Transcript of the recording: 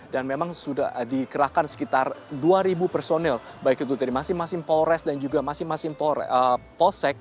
dan memang sudah dikerahkan sekitar dua personel baik itu dari masing masing polres dan juga masing masing pos